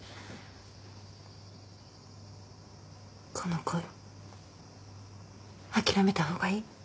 この恋諦めた方がいい。